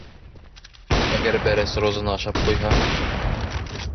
Әгәр бәрәс розаны ашап ҡуйһа?